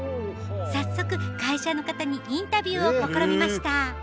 早速会社の方にインタビューを試みました。